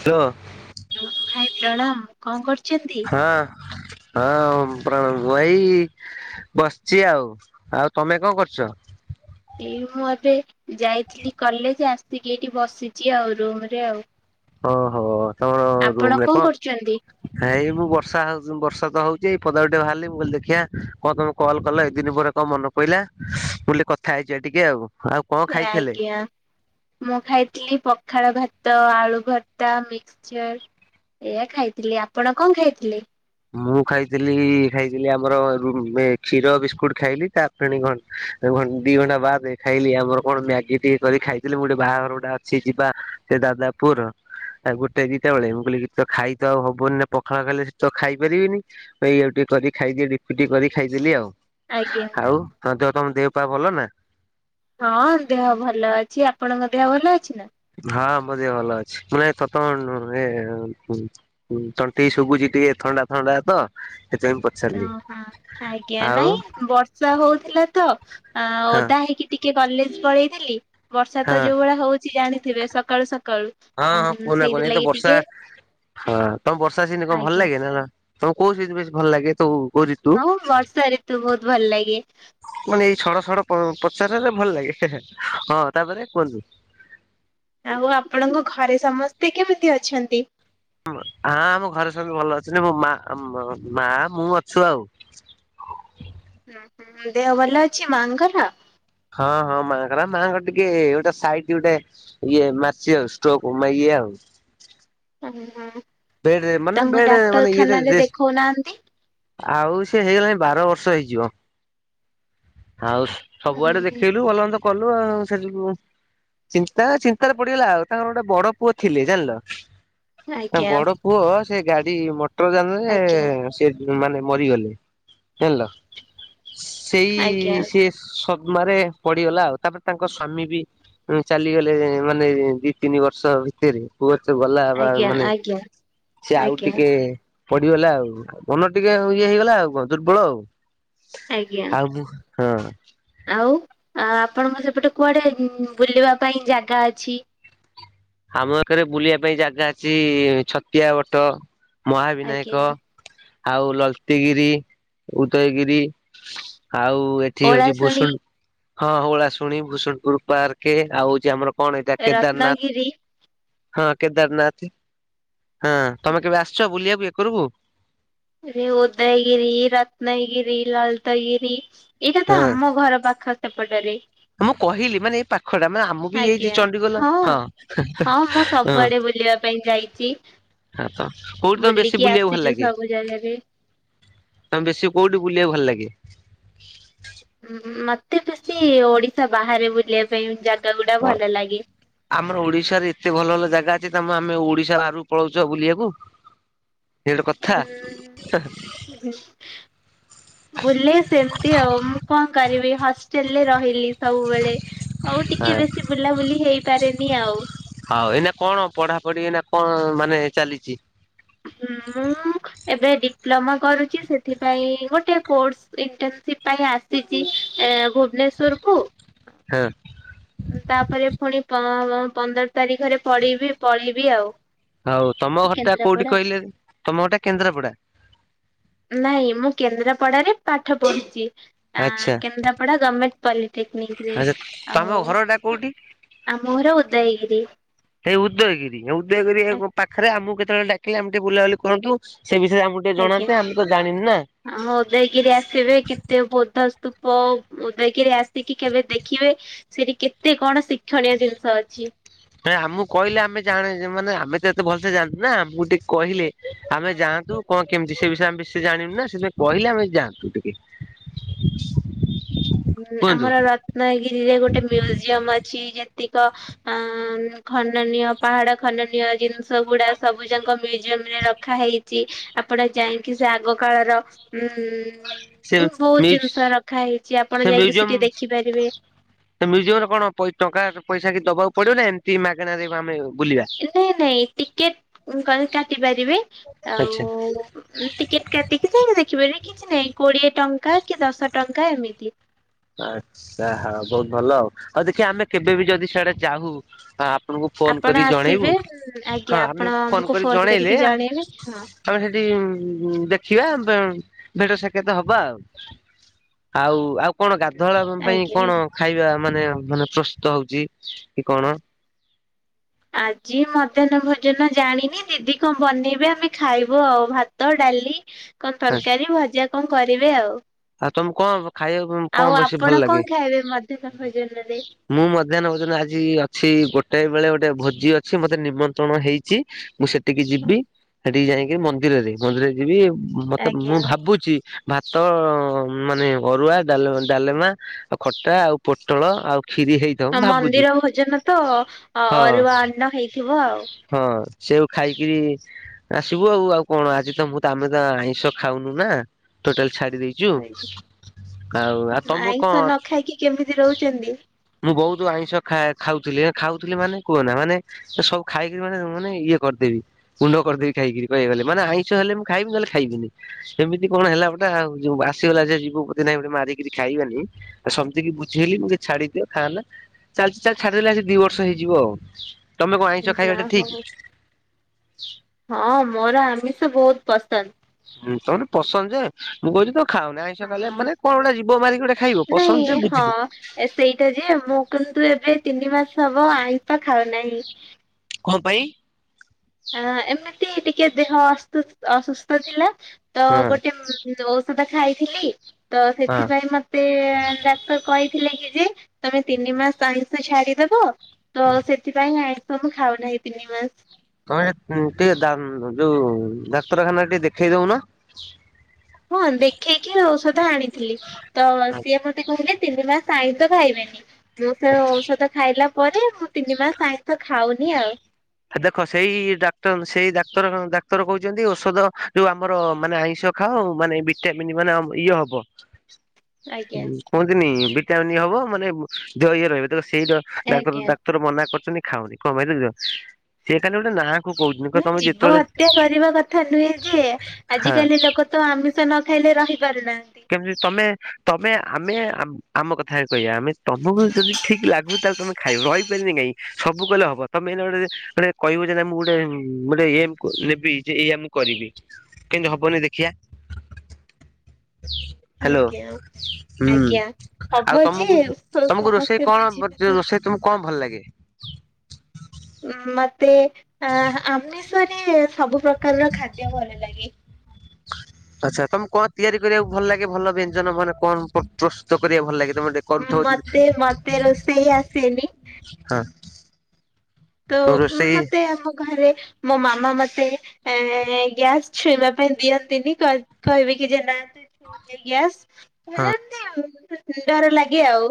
Hello ଭାଇ ପ୍ରଣାମ୍ କଣ କରୁଛନ୍ତି। ହଁ ହଁ ମୁ ଏଇ। ବସିଛି ଆଉ ଆଉ ତମେ କଣ କରୁଛ? ଏଇ ମୁଁ ଏବେ ଯାଇଥିଲି କଲେଜ ଆସିକି ଏଇଠି ବସିଛି ଆଉ ରୁମ୍ ରେ ଆଉ। ଓହୋ ତମର ଆପଣ ରୁମ ରେ କଣ କରୁଛନ୍ତି? କଣ ଏଇ ମୁଁ ବର୍ଷା ହଉଛି ବର୍ଷା ତ ହଉଛି ଏଇ ପଦାକୁ ଟିକେ ବାହାରିଲ ମୁଁ କହିଲି ଦେଖିଆ କଣ ତମେ କଲ୍ କଲ ଏତେ ଦିନି ପରେ କଣ ମନେ କହିଲି ମୁ ଲି ଥା ହେଇଯିବା ଟିକେ ଆଉ ଆଉ କଣ ଖାଇଥିଲେ? ଆଜ୍ଞା ମୁଁ ଖାଇଥିଲି ପଖାଳ ଭାତ ଆଳୁ ଭତା ମିକ୍ସଚର୍ ଏଆ ଖାଇଥିଲି ଆପଣ କଣ ଖାଇଥିଲେ। ମୁଁ ଖାଇଥିଲି ଖାଇଥିଲି ଆମର କ୍ଷୀର ବିସ୍କୁଟ ଖାଇଲି ତା ଦି ଘଣ୍ଟା ବାଦେ ଖାଇଲି ଆମର କଣ ମ୍ୟାଗି ଟିକେ କରି ଖାଇଥିଲି ମୁଁ ଗୋଟେ ବାହାଘର ଗୋଟା ସଏ ଯିବା ସେ ଦାଦାପୁଅର। ଆଉ ଗୋଟେ ଦିଟା ବେଳେ ମୁଁ କହିଲି କିଛି ତ ଖାଇ ତ ଆଉ ହବନି ନା ପଖାଳ ଖାଇଲେ ତ ଖାଇପାରିବିନି ଏଇଆକୁ ଟିକେ କରି ଖାଇଦି କରି ଖାଇଦେଲି ଆଉ ଆଜ୍ଞା। ଆଉ ତ ତମ ଦେହ ପା ଭଲ ନା ହଁ ଦେହ ଭଲ ଅଛି। ଆପଣଙ୍କ ଦେହ ଭଲ ଅଛି ନା? ହଁ ବଧିେ ଭଲ ଅଛି ମାନେ ତତ ଏ ହୁଁ ତଣ୍ଟି ଶୁଭୁଛି ଟିକେ ଥଣ୍ଡା ଥଣ୍ଡା ତ ସେଥିପାଇଁ ପଚାରିଲି। ଓହୋ ଆଜ୍ଞା ଆଉ ନାଇଁ ବର୍ଷା ହଉଥିଲା ତ ଆଁ ହଁ ଓଦା ହେଇକି। ଟିକେ କଲେଜ୍ ପଳେଇଥିଲି ବର୍ଷା ହଁ ତ ଯୋଉ ଭଳିଆ ହଉଛି ଜାଣିଥିବେ ସକାଳୁ ସକାଳୁ। ହଁ ହଁ ଉଁ କୁହୁନା କହୁନି ଏଇ ତ ସେଇଥିଲାଗି ବର୍ଷା ଟିକେ ହଁ ତମ ବର୍ଷା ସିନି କଣ ଭଲ ଆଜ୍ଞା ଲାଗେ ନା ତମେ କୋଉ ସେି ବେଶୀ ଭଲ ଲାଗେ ତ କୋଉ ରିତୁ ହଁ ବର୍ଷା ଋ ତୁ ବହୁତ୍ ଭଲ ଲାଗେ। ମାନେ ଏଇ ଛଡ଼ ଛଡ଼ ପଚାରାରେ ଭଲ ଲାଗେ ହଁ ତାପରେ କୁହନ୍ତୁ। ଆଉ ଆପଣଙ୍କ ଘରେ ସମସ୍ତେ କେମିତି ଅଛନ୍ତି? ହା ଆମ ଘରେ ସବୁ ଭଲ ଅଛନ୍ତି। ମୋ ମା ମା ମୁଁ ଅଛୁ ଆଉ। ହୁଁ ହୁଁ ଦେହ ଭଲ ଅଛି ମାଆଙ୍କର? ହଁ ହଁ ମାଙ୍କର ମାଆଙ୍କର ଟିକେ ଗୋଟେ ସାଇଟ୍ ଗୋଟେ ଇଏ ମାରଚି ଆଉ ଷ୍ଟୋକ୍ ମା ଇଏ ଆଉ। ଉଁ ହୁଁ। ବେଡ୍ ରେ ମାନେ ତାଙ୍କୁ ବେଡ ମାନେ ଇଏଟେ ଡାକ୍ତରଖାନାରେ ରେଶ୍ଟ ଦେଖଉନାହାନ୍ତି। ଆଉ ସେ ହେଇଗଲାଣି ବାର ବର୍ଷ ହେଇଯିବ। ହୁଁ, ସବୁଆଡେ ହୁଁ, ଦେଖେଇଲୁ ଭଲ ମନ୍ଦ କଲୁ ଆଉ ସେଠୁ। ଚିନ୍ତା ଚିନ୍ତାରେ ପଡିଗଲା ଆଉ ତାଙ୍କର ଗୋଟେ ବଡ ପୁଅ ଥିଲେ ଜାଣିଲ। ତାଙ୍କ ଆଜ୍ଞା। ବଡ ପୁଅ ସେ ଗାଡି ମଟର ଯାନରେ ଆଜ୍ଞା ସେ ମାନେ ମରିଗଲେ ହେଲ ସେଇ ଆଜ୍ଞା ସିଏ ସଦ୍ମାରେ ପଡିଗଲା ଆଉ ତାପରେ ତାଙ୍କ ସ୍ଵାମୀ ବି ଚାଲିଗଲେ। ମାନେ ଦି ତିନି ବର୍ଷ ଭିତରେ ପୁଅ ତ ଗଲା ବା ଆଜ୍ଞା ମାନେ ଆଜ୍ଞା ସେ ଆଉ ଆଜ୍ଞା ଟିକେ ପଡିଗଲା ଆଉ ମନ ଟିକେ ଇଏ ହେଇଗଲା ଆଉ କଣ ଦୁର୍ବଳ ଆଉ। ଆଜ୍ଞା ଆଉ ମୁଁ ହଁ। ଆଉ ଆ ଆପଣଙ୍କ ସେପଟେ କୁଆଡେ ଉଁ ଉଁ ବୁଲିବା ପାଇଁ ଜାଗା ଅଛି? ଆମ ଆଖରେ ବୁଲିବା ପାଇଁ ଜାଗା ଅଛି ଛତିଆ ବଟ ଆଜ୍ଞା ମହାବିନାୟକ। ଆଉ ଲଲତୀଗିରି ଉଦୟଗିରି ଆଉ ଏ ଏଠି ହଉଛି ଓଳାଶୁଣୀ ଭୂସୁ ହଁ ଓଳାଶୁଣୀ ଭୂସୁଣପୁର ପାର୍କେ ଆଉ ହଉଛି ଆମର କଣ ହେଇଟା କେଦାରନାଥ। ରତ୍ନଗିରି ହଁ କେଦାରନାଥ ହଁ ତମେ କେବେ ଆସିଛ ବୁଲିବାକୁ ଏକରକୁୁ? ରେ ଉଦୟଗିରି ରତ୍ନଗିରି ଲଳିତଗିରି। ଏଇଟା ତ ହଁ ଆମ ଘର ପାଖ ସେପଟରେ। ମୁଁ କହିଲି ମାନେ ଏଇ ପାଖ ଟା ମାନେ ଆମ ବି ହେଇଛି ଆଜ୍ଞା ଚଣ୍ଡିଖୋଲ। ହଁ ହଁ ହଁ ମୁଁ ହଁ। ସବୁଆଡେ ବୁଲିବା ପାଇଁ ଯାଇଛି। ହଁ ତ କୋଉଠି ତମେ ବେଶୀ ବୁଲିକି ବୁଲିବାକୁ ଭଲ ଆସିଛୁ ଲାଗେ? ସବୁ ଜାଗାରେ। ତମେ ବେଶୀ କୋଉଠି ବୁଲିବାକୁ ଭଲ ଲାଗେ? ଉଁ ମତେ ବେଶୀ ଓଡିଶା ବାହାରେ ବୁଲିବା ପାଇଁ ଜାଗା ଗୁଡା ଭଲ ଲାଗେ। ଆମର ଓଡିଶାରେ ଏତେ ଭଲ ଭଲ ଜାଗା ଅଛି। ତମ ଆମେ ଓଡିଶା ବାହାରୁକୁ ପଳଉଛ ବୁଲିବାକୁ। ଇଏ ଗୋଟେ କଥା ହୁଁ ହୁଁ। ବୁଲେ ସେମତି ଆଉ ମୁଁ କଣ କରିବି ହଷ୍ଟେଲରେ ରହିଲି। ସବୁବେଳେ ହଉ ଟିକେ ବେଶୀ ବୁଲାବୁଲି ହେଇପାରେନି ଆଉ। ହଉ ଏଇନା କଣ ପଢାପଢି ଏନା କଣ ମାନେ ଚାଲିଛି। ମୁଁ ଏବେ ଡିପ୍ଲୋମା କରୁଛି। ସେଥିପାଇଁ ଗୋଟେ କୋର୍ସ ଇଣ୍ଟନସିପ ପାଇଁ ଆସ ସିଜି ଆଁ ଭୁବନେଶ୍ଵର କୁ। ହୁଁ। ତାପରେ ପୁଣି ପ ପନ୍ଦର ତାରିଖରେ ପିଡିବି ପଳେଇବି ଆଉ। ହଉ ତମ ଘରଟା କୋଉଠି କେନ୍ଦ୍ରାପଡ଼ା? କହିଲେ? ତମ ଘରଟା କେନ୍ଦ୍ରାପଡା। ନାଇଁ ମୁଁ କେନ୍ଦ୍ରାପଡାରେ ପାଠ ପଢୁଛି। ଆଁ ଆଚ୍ଛା କେନ୍ଦ୍ରାପଡା ଗର୍ମେଣ୍ଟ ପଲିଟେକ୍ନିକରେ ଆଚ୍ଛା ତମ ଆଉ। ଘରଟା କୋଉଠି? ଆମ ଘର ଉଦୟଗିରି। ସେଇ ଉଦୟଗିରି। ଉଦୟଗିରି ପାଖରେ ଆମକୁ କେତେବେଳେ ଡାକିଲେ ଆମେ ଟିକେ ବୁଲାବୁଲି କରନ୍ତୁ। ସେ ବିଷୟରେ ଆମକୁ ଟିକେ ଜଣାନ୍ତେ ଆମେ ତ ଜାଣିନୁ ନା। ହ ଉଦୟଗିରି ଆସିବେ କେତେ ବୋଧସ୍ତୂପ ଉଦୟଗିରି ଆସିକି କେବେ ଦେଖିବେ। ସେଠି କେତେ କଣ ଶିକ୍ଷଣୀୟ ଜିନିଷ ଅଛି। ନାଇଁ ଆମକୁ କଇଲେ ଆମେ ଜାଣେ ମାନେ ଆମେ ତ ଏତେ ଭଲସେ ଜାଣନୁନା ଆମୁକୁ ଟିକେ କହିଲେ ଆମେ ଯାଆନ୍ତୁ କଣ କେମିତି ସେ ବିଷୟ ଆମେ ବେଶୀ ଜଣିନୁନା ସେଥିପାଇଁ କଇଲେ ଆମେ ଯାଆନ୍ତୁ ଟିକେ। ହୁଁ କୁହନ୍ତୁ ଆମର ର ନାଇ ଗିରିରେ ଗୋଟେ ମ୍ୟୁଜିୟମ ଅଛି। ଯେତିକ ଅ ଖନନୀୟ ପାହାଡ ଖନନୀୟ ଜିନିଷ ସବଗୁଡା ସବୁ ଯାକ ମ୍ୟୁଜିୟମ ରେ ରଖା ହେଇ ଆପଣ ଯାଇକି ସେ ଆଗ କାଳର ଉଁ ସେ ଉଁ ବହୁତ ମିଉଜ ଜିନିଷ ରଖା ହେଇ ସେ ମ୍ୟୁଜିୟମ୍ ମ୍ୟୁଜିୟମ ରେ କଣ ଟଙ୍କା ପଇସା କି ଦବାକୁ ପଡିବ ନା ଏମିତି ମାଗଣାାରେ ଆମେ ବୁଲିବା। ନାଇଁ ନାଇଁ ଟିକେଟ କାଟି ପାରିବେ ଆଚ୍ଛା। ଆଉ ଟିକେଟ୍ କାଟିକି ସାାଇି ଦେଖିବାରନି କିଛି ନାହିଁ କୋଡ଼ିଏ ଟଙ୍କା କି ଦଶ ଟଙ୍କା ଏମିତି। ଆଚଛା ହଁ ବହୁତ ଭଲ ଆଉ। ଆଉ ଦେଖିବା ଆମେ କେବେ ବି ଯଦି ସେଆଡା ଯାଉ ଆପଙ୍କୁ ଫୋନ ଆପଣ କରି ଜଣେଇବୁ। ଆସିବେ ଆଜ୍ଞା ହଁ ଆପଣ ଆମେ ଫୋନ ଆମକୁ କରି ଜଣେଇଲେ କରିକି ଆ ଜଣେଇବେ ହଁ ଆମେ ସେଠି ଦେଖିବା ଭେଟ ସେକତ ହବା ଆଉ। ଆଉ ଆଉ କଣ ଗାଧୁଆଳ ପାଇଁ ଆଜ୍ଞା। କଣ ଖାଇବା ମାନେ ମାନେ ପ୍ରସ୍ତୁତ ହଉଛି କି କଣ ଆଜି ମଧ୍ୟାହ୍ନ ଭୋଜନ ଜାଣିନି ଦିଦି କଣ ବନେଇବେ ଆମେ ଖାଇବୁ ଆଉ ଭାତ ଡାଲି। କଣ ତରକାରୀ ଭଜା କଣ କରିବେ ଆଉ। ଆଉ ତମକ କଣ ଖାଇବାକୁ ଆଉ କଣ ବେଶୀ ଆପଣ ଭଲ ଲାଗେ। [unintelligible] [unintelligible] ମୁଁ ମଧ୍ୟାହ୍ନ ଭୋଜନ ଆଜି ଅଛି ଗୋଟେ ବେଳେ ଗୋଟେ ଭୋଜି ଅଛି ମତେ ନିମନ୍ତ୍ରଣ ହେଇଚି। ମୁଁ ସେ ଟିକି ଯିବି ସେଠିକି ଯାଇକି ମନ୍ଦିରରେ ମନ୍ଦିରରେ ଯିବି ମତେ ଆଜ୍ଞା ମୁଁ ଭାବୁଚି ଭାତ ମାନେ ଅରୁଆ ଡା ଡାଲେମା ଆଉ ଖଟା ଆଉ ପୋ ଟଳ ଆଉ କ୍ଷୀରି ହେଇ ହ ମନ୍ଦିର ଭୋଜନ ତ ହଁ ଅରୁଆ ଅନ୍ନ ହେଇଥିବ ଆଉ। ହଁ ସେଉ ଖାଇକିରି ଆସିବୁ ଆଉ ଆଉ କଣ ଆଜି ତ ମୁଁ ତ ଆମେ ତ ଆଇଁଷ ଖାଉନୁ ନା ଟୋଟାଲ ଛାଡି ଦେଇ ଚୁ ଆଉ ଆଉ ତମକୁ କଣ ଆଇଁଷ ନ ଖାଇକି କେମିତି ରହୁଛନ୍ତି? ମୁଁ ବହୁତ ଆଇଁଷ ଖାଏ ଖାଉଥିଲି ଖାଉଥିଲି ମାନେ କୁହନା ମାନେ ସବୁ ଖାଇକି ର ମାନେ ମାନେ ଇଏ କରିଦେବି। ଗୁଣ୍ଡ କରିଦେବି ଖାଇକିରି କଇବାକୁ ଗଲେ ମାନେ ଆଇଁଷ ହେଲେ ମୁଁ ଖାଇବି ନହଲେ ଖାଇବିନି। ସେମିତି କଣ ହେଲା ଗୋଟେ ଆଉ ଯୋଉ ଆସିଗଲା ସେ ଯିବୁ ପ୍ରତି ନାହିଁ ଗୋଟେ ମାରିକିରି ଖାଇବାନି ଆଉ ସମତିକି ବୁଝେଇଲି ମୁ କଲି ଛାଡିଦିଅ ଖାଆନା। ଚାଲିଚା ଛାଡ଼ିଦେଲି ଆସ ଦି ବର୍ଷ ହେଇଯିବ ଆଉ ତମେ କ ଆଇଁ ହଁ ମୋର ଆମିଷ ବହୁତ ପସନ୍ଦ। ହୁଁ ତମେର ପସନ୍ଦ ଯେ ମୁଁ କଛିି ତମେ ଖାଅନ ଆଇଁଷ କାଇଲେ ହଁ। ମାନେ କଣ ଗୋଟେ ଜିବ ମାରିକି ଗୋଟେ ଖାଇବ ପସନ୍ଦ ଯେ ନାଇଁ ବୁଝିଲି ହଁ ସେଇଟା ଯେ ମୁଁ କିନ୍ତୁ ଏବେ ତିନି ମାସ ହବ ଆଇଁଷ ଖାଉ ନାହିଁ। କଣ ପାଇଁ। ହ ଏମିତି ଟିକେ ଦେହ ଅସ୍ ତ ଅସୁସ୍ଥ ଥିଲା ତ ହଁ ଗୋଟେ ଔଷଧ ଖାଇଥିଲି ତ ହଁ ସେଥିପାଇଁ ମତେ ଡାକ୍ତର କହି ଥିଲେ କି ଯେ ତମେ ତିନି ମାସ ଆଇଁଷ ଛାଡିଦବ ତ ସେଥିପାଇଁ ଆଇଁ ଷ ମୁଁ ଖାଉ ନାହି ତିନି ମାସ ତମେ ଅ ଟିକେ ଯୋଉ ଡାକ୍ତରଖାନା ଟିକେ ଦେଖେଇ ଦଉନ। ହଁ ଦେଖେଇକି ଔଷଧ ଆଣିଥିଲି ତ ଆଚ୍ଛା। ସିଏ ମତେ କହିଲେ ତିନି ମାସ ଆଇଁଷ ଖାଇବେନି ମୁଁ ସେ ଔଷଧ ଖାଇଲା ପରେ ମୁଁ ମାସ ଆାଇଁଠ ଖାଉନି ଆଉ। ଦେଖ ସେଇ ଡାକ୍ତର ସେଇ ଡାକ୍ତର ଡାକ୍ତର କହୁଚନ୍ତି ଔଷଧ ଯୋଉ ଆମର ମାନେ ଆଇଁଷ ଖାଉ ମାନେ ଭିଟାମିନ୍ ଅ ମାନେ ଇଏ ହବ। ଆଜ୍ଞା। କୁହନ୍ତିନି ଭିଟାମିନ ହବ ମାନେ ଦେହ ଇଏ ରହିବ ତ ସେଇ ଡ କ୍ତର ଆଜ୍ଞା ଡାକ୍ତର ମନା କରିୁଛନ୍ତି ଖାଅନି କଣ ପାଇଁ ଦେଖୁଛ ସିଏ ଖାଲି ଗୋଟେ ନା ହଁ ଜୀବ ହତ୍ୟା କରିବା କଥା ନୁହେଁ ଯେ ହଁ ଆଜିକାଲି ଲୋକ ତ ତ ଆମିଷ ନ ଖାଇଲେ ରହିପାରୁନା କେମିତି ତମେ ତମେ ଆମେ ଆ ଆମ କ ଥା କହିବା ଆମେ ତମକୁ ଯଦି ଠିକ ଲାଗୁ ତାହେଲେ ତମେ ଖାଇବ ରହିପାରିବନି କାହିଁ କି ସବୁ କଲେ ହବ ତମେ ହେଲେ ଗୋଟେ ଯେତେଳେ କହିବ ଯେ ମୁଁ ଗୋଟେ ଗୋଟେ ଏମ୍ କୁ ନେବି ଯେ ଏଇଆ ମୁଁ କରିବି କେମତି ହବନି ଦେଖିଆ। ହ୍ୟାଲୋ ଆଜ୍ଞା ହୁଁ ଆଜ୍ଞା ଆଉ ହବ ଯେ ତମକୁ ତମକୁ ରୋଷେଇ ସମସ୍ତେ କଣ ଯୋ ବୁଝିବେ। ରୋଷେଇ ତୁମକୁ କଣ ଭଲ ଲାଗେ। ଉ ମତେ ଆମିଷରେ ସବୁ ପ୍ରକାରର ଖାଦ୍ୟ ଭଲ ଲାଗେ। ଆଛା ତମେ କଣ ତିଆରି କରିବାକୁ ଭଲ ଲାଗେ ଭଲ ବ୍ୟଞ୍ଜନ ମାନେ କଣ କ ପ୍ର ସ୍ତୁତ କରିବାକୁ ଭଲ ଲାଗେ ତମେ ଟେ କରୁଥିବ ମତେ ମତେ ରୋଷେଇ ଆସେନି ହଁ। ତ ରୋଷେଇ ମତେ ଆମ ଘରେ ମୋ ମାମା ମତେ ଏ ଗ୍ୟାସ୍ ଛୁଇଁବା ପାଇଁ ଦିଅନ୍ତିନି କହ କହିବେ କି ଯେ ନା ହଁ [unintelligible] ଡର ଲାଗେ ଆଉ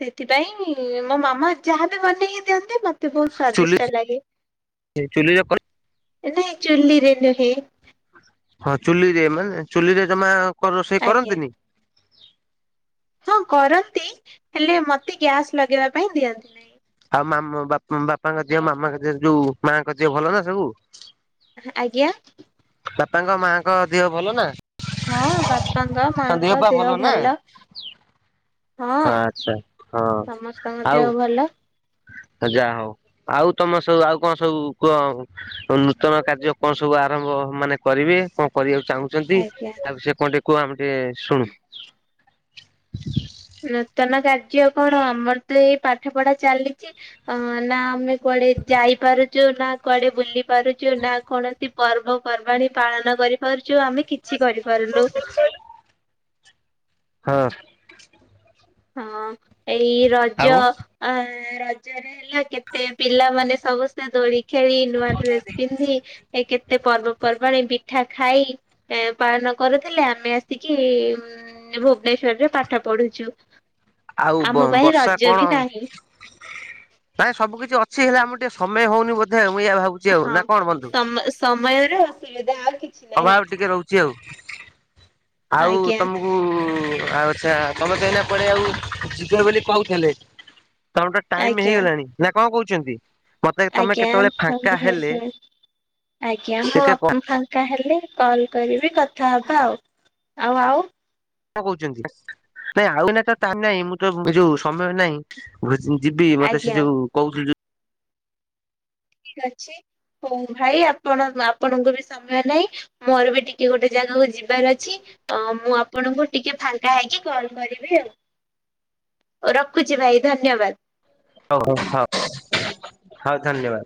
ସେଥିପାଇଁ ମୋ ମାମା ଯାହାବି ବନେଇ ଦିଅନ୍ତି ମତେ ବହୁତ ଚୁଲି ସ୍ଵାଦିଷ୍ଟ ଲାଗେ। ଚୁଲିରେ ଏ ନାଇଁ ଚୁଲିରେ ନୁହେଁ। ହଁ ଚୁଲିରେ ମାନେ ଚୁଲିରେ ଜମା କ ରୋଷେଇ ଆଜ୍ଞା କରନ୍ତିନି? ହଁ କରନ୍ତି ହେଲେ ମତେ ଗ୍ୟାସ୍ ଲଗେଇବା ପାଇଁ ଦିଅନ୍ତି। ନାହିଁ। ଆଉ ମାମ ବାପ ଉମ ବାପାଙ୍କ ଦିଅ ମାମାଙ୍କ ଦିଅ ଯୋଉ ମାଙ୍କ ଦିଅ ଭଲ ନା ସବୁ? ଆଜ୍ଞା? ବାପାଙ୍କ ମା'ଙ୍କ ଦିହ ଭଲ ନା? ହଁ ବାପାଙ୍କ ତାଙ୍କ ମାଙ୍କ ପା ଦେହ ନା? ଭଲ। ହଁ ଆଚ୍ଛା ହଁ ସମସ୍ତଙ୍କ ଆଉ ଦେହ ଭଲ। ଯାହା ହଉ ଆଉ ତମେ ସବୁ ଆଉ କଣ ସବୁ କୁହ? ନୂତନ କାର୍ଯ୍ୟ କଣ ସବୁ ଆରମ୍ଭ ମାନେ କରିବେ କଣ କରିବାକୁ ଚାହୁଁଛ? ଚନ୍ତି ଆଜ୍ଞା। ଆଉ ସେ କଣ ଟିକେ କୁହ ଆମେ ଟିକେ ଶୁଣୁ। ନୂତନ କାର୍ଯ୍ୟ କଣ ଆମର ତ ଏଇ ପାଠ ପଢା ଚାଲିଚି। ଅ ନା ଆମେ କୁଆଡେ ଯାଇପାରୁଚୁ ନା କୁଆଡେ ବୁଲି ପାରୁଚୁ ନା କୌଣସି ପର୍ବପର୍ବାଣିୀ ପାଳନ କରିପାରୁଛୁ ଆମେ କିଛି କରିପାରୁନୁ। ହଁ। ହଁ ଏଇ ରଜ ଆଉ ଆ ରଜରେ ହେଲା କେତେ ପିଲାମାନେ ସମସ୍ତେ ଦୋଳିିକି ଖେଳି ନୂଆ ଡ୍ରେସ ପିନ୍ଧି ଏ କେତେ ପର୍ବ-ପର୍ବାଣୀ ପିଠା ଖାଇ ଏ ପାଳନ କରୁଥିଲେ ଆମେ ଆସିକି ଉଁ ଭୁବନେଶ୍ଵରରେ ପାଠ ପଢୁଛୁ। ଆଉ ଆମ ପାଇଁ ବର୍ଷା ରଜ କଣ? ବି ନାହିଁ ନାଇଁ ସବୁ କିିଛି ଅଛି ହେଲେ ଆମର ଟିକେ ସମୟ ହଉନି ବୋଧେ ମୁଁ ଏୟା ଭାବୁଛି। ଆଉ ନା କଣ ବନ୍ଧୁ? ସମୟରେ ଅସୁବିଧା ଆଉ କିଚ ଅଭାବ ଟିକେ ରହୁଛି ଆଉ ଆଉ ଆଜ୍ଞା ତମକୁ ଆଉଛା ତମେତ ଏଇନା କୁଆଡେ ଆଉ ଯିବେ ବୋଲି କହୁଥିଲେ, ତାଙ୍କୁ ତ ଟାଇମ ଆଜ୍ଞା। ହେଇଗଲାଣି। ନା କଣ କହୁଛନ୍ତି? ମତେ ତମେ ଆଜ୍ଞା କେତେବେଳେ ଫାଙ୍କା ହେଲେ ଆଜ୍ଞା ଟିକେ କ ମୁଁ କଣ ତା ହେଲେ କଲ୍ କରିବେ କଥା ହେବା ଆଉ ଆଉ କଣ କହୁଛନ୍ତି? ନାଇଁ ଆଉ ଏଇନା ତ ଟାଇମ ନହିଁ ମୁଁ ତ ଯୋଉ ସମୟ ନାହିଁ। ଭ ଯିବି ମତେ ସେ ଆଜ୍ଞା। ଯ କହୁଥିଲୁ ଯୋଉ ଠିକ ଅଛି ହଉ ଭାଇ ଆପଣ ଆପଣଙ୍କୁ ବି ସମୟ ନାହିଁ। ମୋର ବି ଟିକେ ଗୋଟେ ଜାଗାକୁ ଯିବାର ଅଛି। ଅ ମୁଁ ଆପଣଙ୍କୁ ଟିକେ ଫାଙ୍କା ହେଇକି କଲ୍ କରିବି ଆଉ। ରଖୁଛି ଭାଇ ଧନ୍ୟବାଦ। ହଉ ହଉ ହଉ ହଉ ଧନ୍ୟବାଦ!